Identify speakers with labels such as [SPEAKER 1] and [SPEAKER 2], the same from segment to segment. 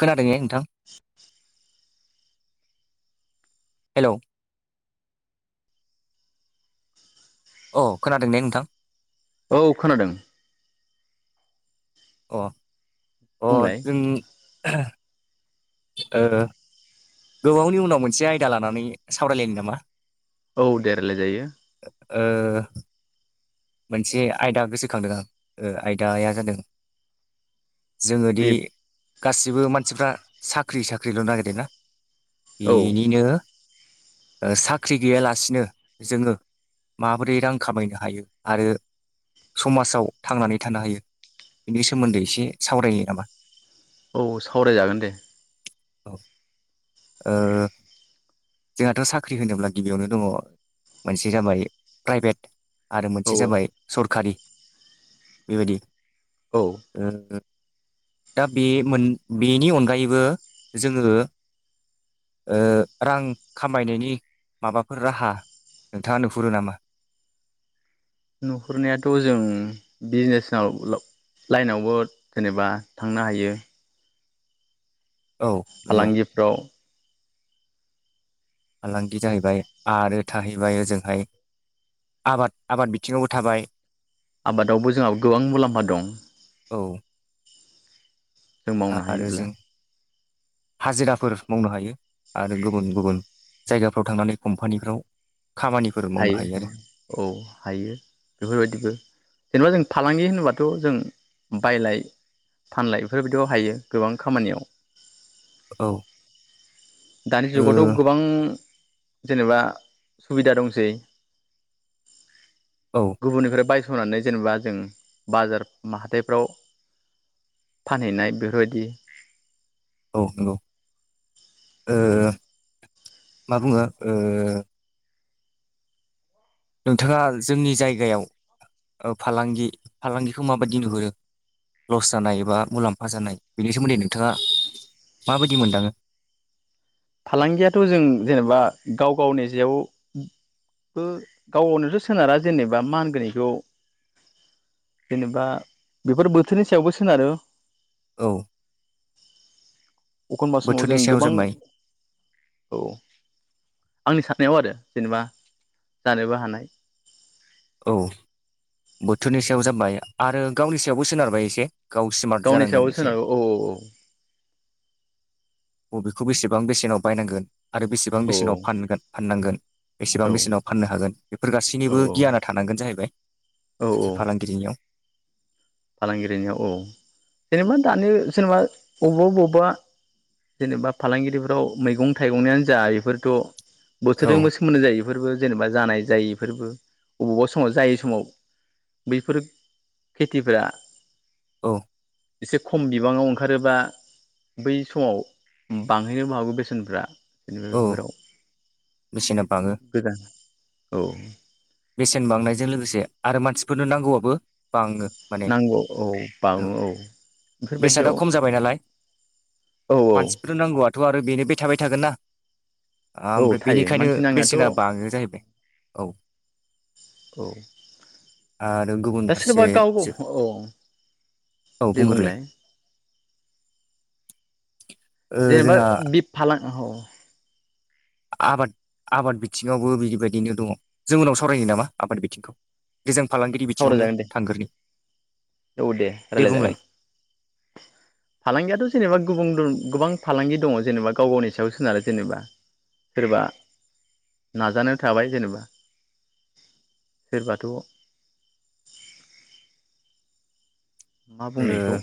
[SPEAKER 1] खोनादों एं
[SPEAKER 2] [inaudible]
[SPEAKER 1] हेल' अ खोनादों ने नोंथां?
[SPEAKER 2] औ खोनादों।
[SPEAKER 1] अ अ
[SPEAKER 2] बुंलाय
[SPEAKER 1] जों ओ गोबावनि उनाव मोनसे आयदा लानानै सावरायलायनो नामा?
[SPEAKER 2] औ दे रायलायजायो
[SPEAKER 1] ओ मोनसे आयदा गोसोखांदों आं ओ आयदाया जादों
[SPEAKER 2] दे
[SPEAKER 1] जोङोदि गासिबो मानसिफ्रा साख्रि साख्रिल' नागिरदोंना
[SPEAKER 2] औ
[SPEAKER 1] एनिनो ओ साख्रि गैयालासिनो जोङो माबोरै रां खामायनो हायो आरो समाजाव थांनानै थानो हायो बिनि सोमोन्दै एसे सावरायो नामा
[SPEAKER 2] औ सावरायजागोन दे
[SPEAKER 1] ओ जोंहाथ' साख्रि होनोब्ला गिबियावनो दङ मोनसे जाबाय प्राइभेट आरो
[SPEAKER 2] औ
[SPEAKER 1] मोनसे
[SPEAKER 2] औ
[SPEAKER 1] जाबाय सरखारि बेबायदि
[SPEAKER 2] औ
[SPEAKER 1] [inaudible] दा बे मोन बेनि अनगायैबो जोङो ओ रां खामायनायनि माबाफोर राहा नोंथाङा नुहुरो नामा?
[SPEAKER 2] नुहुरनायाथ' जों बिजनेसाव लाइनावबो जेनेबा थांनो हायो
[SPEAKER 1] औ नंगौ
[SPEAKER 2] फालांगिफ्राव
[SPEAKER 1] फालांगि जाहैबाय आरो थाहैबाय ओजोंजोंहाय आबाद आबाद बिथिङावबो थाबाय
[SPEAKER 2] आबादावबो जोंहा गोबां मुलाम्फा दं।
[SPEAKER 1] औ
[SPEAKER 2] जों मावनो
[SPEAKER 1] आरो
[SPEAKER 2] हायोब्ला
[SPEAKER 1] जों हाजिराफोर मावनो हायो आरो गुबुन गुबुन जायगाफ्राव थांनानै कम्पानिफ्राव खामानिफोर मावनो आरो
[SPEAKER 2] हायो औ हायो बेफोरबायदिबो जेनेबा जों फालांगि होन होनबाथ' जों बायलाय फानलाय बेफोरबायदियाव हायो गोबां खामानियाव
[SPEAKER 1] औ
[SPEAKER 2] दानि
[SPEAKER 1] ओ
[SPEAKER 2] जुगावथ' गोबां जेनेबा सुबिदा दंसै
[SPEAKER 1] औ
[SPEAKER 2] गुबुननिफ्राय बाय थ'नानै जेनेबा जों बाजार मा हाथाइफ्राव फानहैनाय बेफोरबायदि
[SPEAKER 1] औ नंगौ ओ
[SPEAKER 2] औ
[SPEAKER 1] मा बुङो ओ नोंथाङा जोंनि जायगायाव फालांगि फालांगिखौ माबायदि नुहुरो लस जानाय बा मुलाम्फा जानाय बेनि सोमोन्दै नोंथाङा माबायदि मोनदाङो
[SPEAKER 2] फालांगियाथ' जों जेनेबा गाव गावनि जेयाव बो गाव गावनावथ' सोनारा जेनेबा मा होनगोन बेखौ जेनेबा बेफोर बोथोरनि सायावबो सोनारो
[SPEAKER 1] औ
[SPEAKER 2] अखनबा समाव जों
[SPEAKER 1] बोथोरनि सायाव
[SPEAKER 2] गोबां
[SPEAKER 1] जाबाय
[SPEAKER 2] औ आंनि साननायाव आरो जेनेबा जानोबो हानाय
[SPEAKER 1] औ बोथोरनि सायाव जाबाय आरो गावनि सायावबो सोनारबाय एसे गाव स्मार्ट
[SPEAKER 2] गावनि
[SPEAKER 1] जानांगोन
[SPEAKER 2] सायाव
[SPEAKER 1] एसे
[SPEAKER 2] सोनारो औ औ औ
[SPEAKER 1] बबेखौ बेसेबां बेसेनाव बायनांगोन आरो बेसेबां बेसेनाव फानगोन फाननांगोन
[SPEAKER 2] औ
[SPEAKER 1] बेसेबां बेसेनाव फाननो हागोन बेफोर गासैनिबो
[SPEAKER 2] औ
[SPEAKER 1] गियाना थानांगोन जाहैबाय
[SPEAKER 2] औ औ
[SPEAKER 1] सासे फालांगिरिनियाव
[SPEAKER 2] फालांगिरिनियाव औ जेनेबा दानि जेनेबा अबबा अबावबा जेनेबा फालांगिरिफोराव मैगं थाइगंनियानो जा इफोरथ'
[SPEAKER 1] औ
[SPEAKER 2] बोथोरजोंबो सोमोन्दो जायो फोरबो जेनेबा जानाय जायैफोरबो बबावबा समाव जायि समाव बैफोर खेथिफ्रा
[SPEAKER 1] औ
[SPEAKER 2] एसे खम बिबाङाव ओंखारोबा बै समाव बांहैनोबो हागौ बेसेनफ्रा
[SPEAKER 1] औ
[SPEAKER 2] [unintelligible]
[SPEAKER 1] बेसेना बाङो
[SPEAKER 2] गोदान औ
[SPEAKER 1] बेसेन बांनायजों लोगोसे आरो मानसिफोरनो नांगौआबो बाङो माने
[SPEAKER 2] नांगौ औ
[SPEAKER 1] ओ
[SPEAKER 2] बाङो औ
[SPEAKER 1] बेसादा
[SPEAKER 2] बेफोरबायदियाव
[SPEAKER 1] खम जाबाय नालाय
[SPEAKER 2] औ औ
[SPEAKER 1] थ' आरो बेनो बे थाबाय थागोन ना
[SPEAKER 2] औ
[SPEAKER 1] ओमफ्राय
[SPEAKER 2] थायो
[SPEAKER 1] बेनिखायनो
[SPEAKER 2] मानसि नांनायाथ'
[SPEAKER 1] बेसेना बाङो जाहैबाय औ
[SPEAKER 2] औ
[SPEAKER 1] आरो गुबुन
[SPEAKER 2] दा
[SPEAKER 1] फारसे
[SPEAKER 2] सोरबा गाव गाव औ
[SPEAKER 1] औ
[SPEAKER 2] दे
[SPEAKER 1] बुंग्रोलाय
[SPEAKER 2] बुंलाय
[SPEAKER 1] ओ
[SPEAKER 2] जेनेबा
[SPEAKER 1] जोंहा
[SPEAKER 2] बिफ फालां औ
[SPEAKER 1] आबाद आबाद बिथिङावबो बिदिबायदिनो दङ जों उनाव सावरायनि नामा आबाद बिथिंखौ जे जों फालांगिरि बिथिङावनो
[SPEAKER 2] सावरायजागोन दे
[SPEAKER 1] थांगोरनि
[SPEAKER 2] औ दे रायलाय जागोन फालांगियाथ' जेनेबा गुबुं‌ दन गोबां फालांगि दङ जेनेबा गाव गावनि सायाव सोनारो जेनेबा सोरबा नाजानो थाबाय जेनेबा सोरबाथ' मा
[SPEAKER 1] ओ
[SPEAKER 2] बुंनो इखौ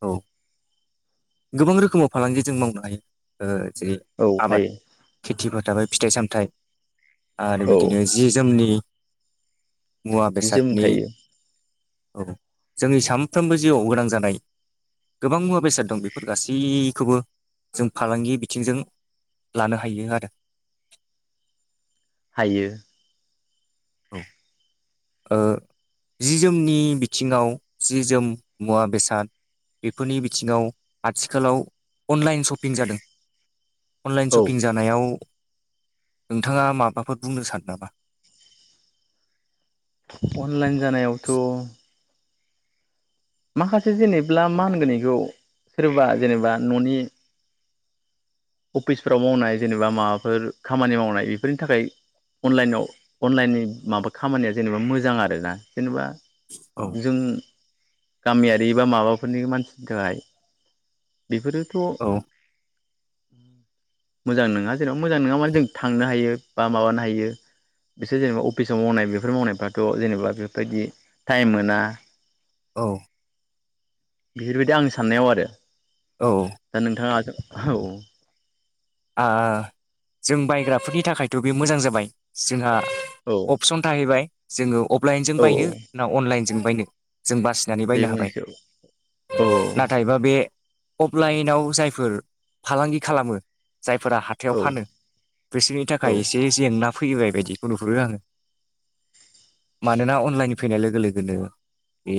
[SPEAKER 1] औ गोबां रोखोमाव फालांगि जों मावनो हायो ओ जेरै
[SPEAKER 2] औ
[SPEAKER 1] आबाद
[SPEAKER 2] हायो
[SPEAKER 1] खेथिफोर थाबाय फिथाइ - सामथाइ आरो
[SPEAKER 2] औ
[SPEAKER 1] बिदिनो जि - जोमनि मुवा-
[SPEAKER 2] जि जोम
[SPEAKER 1] बेसादनि
[SPEAKER 2] थायो
[SPEAKER 1] औ जोंनि सानफ्रोमबो जिउआव गोनां जानाय गोबां मुवा बेसाद दं बेफोर फोर गासैखौबो जों फालांगि बिथिंजों लानो हायो आरो
[SPEAKER 2] हायो
[SPEAKER 1] औ ओ जि - जोमनि बिथिंङाव जि - जोम, मुवा -बेसाद बेफोरनि बिथिंङाव आथिखालाव अनलाइन सपिं जादों। अनलाइन
[SPEAKER 2] औ
[SPEAKER 1] सपिं जानायाव नोंथांङा माबाफोर बुंनो सानो नामा?
[SPEAKER 2] अनलाइन जानायावथ' माखासे जेनेब्ला मा होनगोन बेखौ सोरबा जेनेबा न'नि अफिसफोराव मावनाय जेनेबा माबाफोर खामानि मावनाय बेफोरनि थाखाय अनलाइनाव अनलाइननि माबा खामानिया जेनेबा मोजां आरोना जेनेबा
[SPEAKER 1] औ
[SPEAKER 2] जों गामियारि बा माबाफोरनि मानसिनि थाखाय बेफोरोथ'
[SPEAKER 1] औ
[SPEAKER 2] मोजां नङा जेनेबा मोजां नंङा मा जों थांनो हायो बा माबानो हायो बिसोर जेनेबा अफिसाव मावनाय बेफोर मावनायफ्राथ' जेनेबा बेफोरबायदि टाइम मोना।
[SPEAKER 1] औ
[SPEAKER 2] बेफोर बायदि आंनि साननायाव आरो
[SPEAKER 1] औ
[SPEAKER 2] दा नोंथां आसो औ - औ
[SPEAKER 1] आ जों बायग्राफोरनि थाखायथ' बे मोजां जाबाय जोंहा
[SPEAKER 2] औ
[SPEAKER 1] अपसन थाहैबाय जोंङोगौ अफलाइनजों
[SPEAKER 2] औ
[SPEAKER 1] बायनो ना अनलाइनजों बायनो जों बासिनानै
[SPEAKER 2] बे
[SPEAKER 1] बायनो हाबाय
[SPEAKER 2] मोनसे औ औ
[SPEAKER 1] नाथायबा बे अफलाइनाव जायफोर फालांगि खालामो जायफोरा हाथायाव
[SPEAKER 2] औ
[SPEAKER 1] फानो बिसोरनि
[SPEAKER 2] औ
[SPEAKER 1] थाखाय एसे जेंना फैबाय बायदिखौ नुहुरो आंङो मानोना अनलाइन फैनाय लोगो लोगोनो ए बे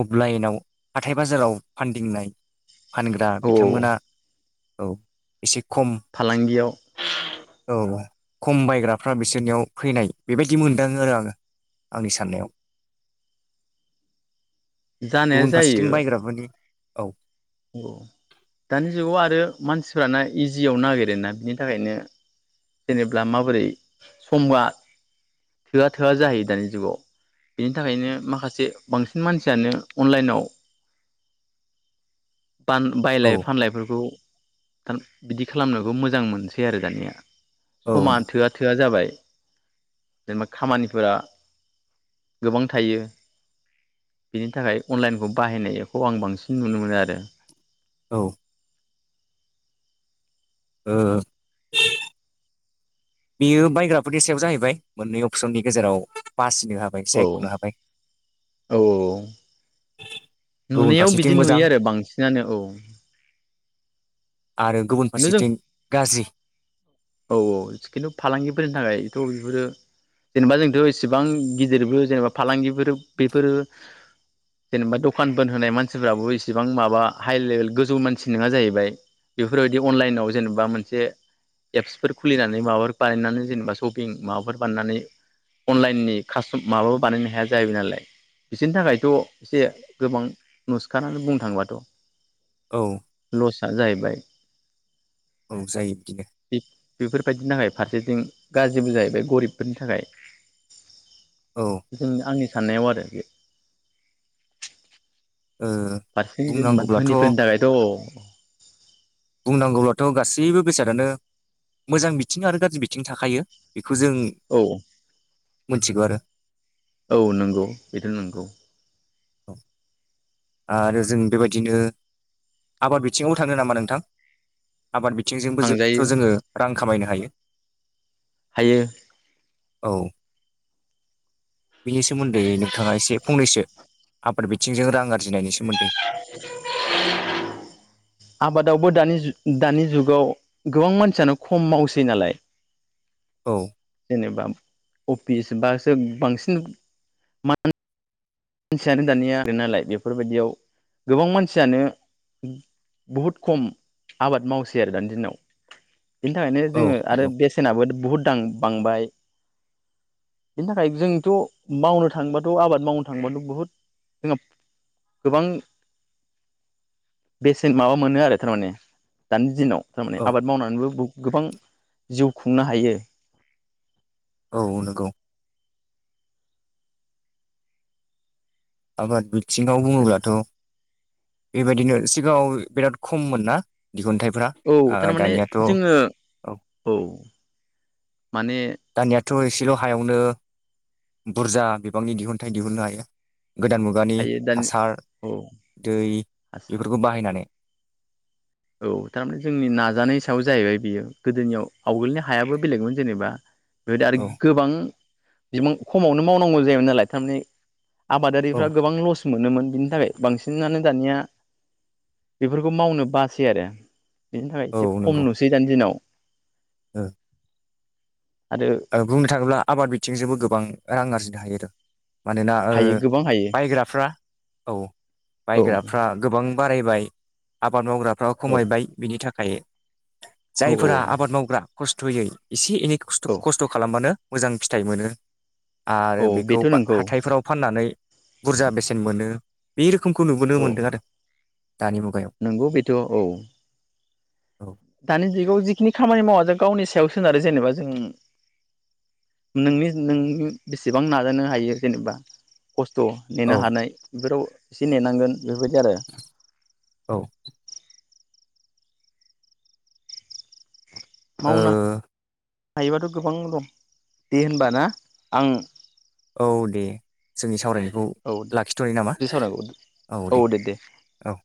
[SPEAKER 1] अफलाइनाव हाथाय बाजाराव फानदिंनाय फानग्रा
[SPEAKER 2] औ
[SPEAKER 1] बिथांमोना औ एसे खम
[SPEAKER 2] फालांगियाव
[SPEAKER 1] औ - औ खम बायग्राफ्रा बिसोरनियाव फैनाय बेबायदि मोनदाङो आरो आंङो आंनि साननायाव
[SPEAKER 2] जानाया
[SPEAKER 1] गुबुन फारसेथिं
[SPEAKER 2] जायो
[SPEAKER 1] बायग्राफोरनि औ
[SPEAKER 2] दानि जुगाव आरो मानसिफ्राना इजियाव नागिरोना बिनि थाखायनो जेनेब्ला माबोरै समबा थोआ थोआ जाहैयो दानि जुगाव बिनि थाखायनो माखासे बांसिन मानसियानो अनलाइनाव
[SPEAKER 1] औ
[SPEAKER 2] बायलाय फानलायफोरखौ थान बिदि खालामनोखौ मोजां मोनसै आरो दानिया
[SPEAKER 1] औ
[SPEAKER 2] समा थोआ थोआ जाबाय जेनेबा खामानिफोरा गोबां थायो बेनि थाखाय अनलाइनखौ बाहायनायखौ आं बांसिन नुनो मोनो आरो दा
[SPEAKER 1] औ ओ बेयो बायग्राफोरनि सायाव जाहैबाय मोननै अपसननि गेजेराव बासिनो हाबाय
[SPEAKER 2] औ
[SPEAKER 1] सायख'नो हाबाय
[SPEAKER 2] औ औ
[SPEAKER 1] गुबुन
[SPEAKER 2] नुनायाव
[SPEAKER 1] फारसेथिं
[SPEAKER 2] बिदि
[SPEAKER 1] मोजां
[SPEAKER 2] नुयो आरो बांसिनानो औ
[SPEAKER 1] आरो गुबुन
[SPEAKER 2] खिन्थु जों
[SPEAKER 1] फारसेथिं गाज्रि
[SPEAKER 2] औ औ खिन्थु फालांगिफोरनि थाखायथ' बेफोरो जेनेबा जोंथ' इसेबां गिदिरबो जेनेबा फालांगिफोर बेफोरो जेनेबा दखान बोन होनाय मानसिफ्राबो इसेबां माबा हाइ लेभेल गोजौ मानसि नङा जाहैबाय बेफोरबायदि अनलाइनाव जेनेबा मोनसे एप्सफोर खुलिनानै माबाफोर बानायनानै जेनेबा सपिं माबाफोर बानायनानै अनलाइननि कास्टम माबाबो बानायनो हाया जाहैबाय नालाय बिसोरनि थाखायथ' एसे गोबां नुसखनानै बुंनो थांबाथ'
[SPEAKER 1] औ
[SPEAKER 2] लसा जाहैबाय
[SPEAKER 1] औ जायो बिदिनो
[SPEAKER 2] बेफोरबायदिनि थाखाय फारसेथिं गाज्रिबो जाहैबाय गरिबफोरनि थाखाय
[SPEAKER 1] औ
[SPEAKER 2] उम आंनि साननायाव आरो बे
[SPEAKER 1] ओ
[SPEAKER 2] फारसेथिं जेनेबा
[SPEAKER 1] बुंनांगौब्लाथ'
[SPEAKER 2] धोनिफोरनि थाखायथ'
[SPEAKER 1] बुंनांगौब्लाथ' गासैबो बेसादानो मोजां बिथिं आरो गाज्रि बिथिं थाखायो। बेखौ जों
[SPEAKER 2] औ
[SPEAKER 1] मिथिगौ आरो
[SPEAKER 2] औ नंगौ बेथ नंगौ
[SPEAKER 1] औ आरो जों बेबायदिनो आबाद बिथिङाव थाङो नामा नोंथां आबाद बिथिंजोंबोथ'
[SPEAKER 2] थांजायो
[SPEAKER 1] जोङो रां खामायनो हायो।
[SPEAKER 2] हायो।
[SPEAKER 1] औ बिनि सोमोन्दै नोंथाङा एसे फंनैसो आबाद बिथिंजों रां आर जिनायनि सोमोन
[SPEAKER 2] आबाद दावबो दानि दानि जुगाव गोबां मानसियानो खम मावसै नालाय
[SPEAKER 1] औ
[SPEAKER 2] जेनेबा अफिस बासो बांसिन मान सियानो दानिया आरो नालाय बेफोरबायदियाव गोबां मानसियानो बुहुद खम आबाद मावसै आरो दानि दिनाव बिनि थाखायनो
[SPEAKER 1] औ
[SPEAKER 2] जोङो आरो
[SPEAKER 1] नंगौ
[SPEAKER 2] बेसेनाबो बुहुद दां बांबाय बेनि थाखाय जोंथ' मावनो थांबाथ' आबाद मावनो थांबाथ' बुहुद जोंहा गोबां बेसेन माबा मोनो आरो थार माने दानि दिनाव थारमाने
[SPEAKER 1] औ
[SPEAKER 2] आबाद मावनानैबो बु गोबां जिउ खुंनो हायो
[SPEAKER 1] औ नंगौ आबाद बि थिङाव बुङोब्लाथ' बेबायदिनो सिगाङाव बिराद खममोनना
[SPEAKER 2] औ थारमाने जोङो औ माने
[SPEAKER 1] थ' एसेल' हायावनो बुरजा बिबांनि दिहुनथाइ दिहुननो हायो गोदान मुगानि
[SPEAKER 2] हायो दानि
[SPEAKER 1] हासार
[SPEAKER 2] औ
[SPEAKER 1] दै बेफोरखौ बाहायनानै।
[SPEAKER 2] औ थारमाने जोंनि नाजानाय सायाव जाहैबाय बियो गोदोनियाव आवगोलनि हायाबो बेलेगमोन जेनेबा बेबायदि आरो
[SPEAKER 1] औ
[SPEAKER 2] गोबां बिबां खमावनो मावनांगौ जायोमोन नालाय थारमाने
[SPEAKER 1] औ
[SPEAKER 2] आबादारिफ्रा गोबां लस मोनोमोन बिनि थाखाय बांसिनानो दानिया बेफोरखौ मावनो बा सै आरो बिनि थाखाय एसे खम
[SPEAKER 1] नंगौ
[SPEAKER 2] नुसै दानि दिनाव
[SPEAKER 1] औ
[SPEAKER 2] आरो
[SPEAKER 1] ओ बुंनो थाङोब्ला आबाद बिथिंजोंबो गोबां रां आरजिनो हायो आरो मानोना ओ
[SPEAKER 2] हायो गोबां हायो
[SPEAKER 1] बायग्राफ्रा औ
[SPEAKER 2] औ
[SPEAKER 1] बायग्राफ्रा गोबां बारायबाय आबाद मावग्रा फ्राबो
[SPEAKER 2] औ
[SPEAKER 1] खमायबाय बिनि थाखाय खाय
[SPEAKER 2] औ
[SPEAKER 1] जायफोरा
[SPEAKER 2] औ
[SPEAKER 1] आबाद मावग्रा खस्थ'यै एसे एनै
[SPEAKER 2] औ
[SPEAKER 1] खस्थ' खालामबानो मोजां फिथाइ मोनो आरो
[SPEAKER 2] औ
[SPEAKER 1] बेखौ
[SPEAKER 2] बेथ' नंगौ
[SPEAKER 1] हाथायफोराव फाननानै बुरजा बेसेन मोनो। बे रोखोमखौ नुबोनो
[SPEAKER 2] औ
[SPEAKER 1] मोन्दों आरो। दानि मुगायाव
[SPEAKER 2] नंगौ बेथ' औ।
[SPEAKER 1] औ
[SPEAKER 2] दानि जुगाव जिखिनि खामानि मावा जों गावनि सायाव सोनारो जेनेबा जों नोंनि नोंनि बेसेबां नाजानो हायो जेनेबा। खस्थ' नेनो
[SPEAKER 1] औ
[SPEAKER 2] हानाय बेफोराव एसे नेनांगोन बेबायदि आरो मावना हायोबाथ' गोबां दं दे होनबाना आं
[SPEAKER 1] औ दे जोंनि सावरायनाय खौ
[SPEAKER 2] औ दे
[SPEAKER 1] लाखिथ'नो नामा
[SPEAKER 2] बे सावरायनायखौ
[SPEAKER 1] औ दे औ।